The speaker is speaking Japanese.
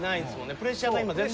プレッシャーが今全然。